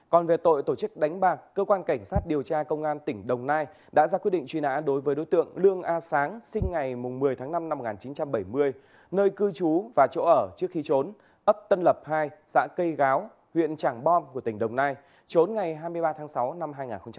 còn về tội tổ chức đánh bạc cơ quan cảnh sát điều tra công an tỉnh đồng nai đã ra quyết định truy nã đối với đối tượng lương a sáng sinh ngày một mươi tháng năm năm một nghìn chín trăm bảy mươi nơi cư trú và chỗ ở trước khi trốn ấp tân lập hai xã cây gáo huyện trảng bom của tỉnh đồng nai trốn ngày hai mươi ba tháng sáu năm hai nghìn hai mươi ba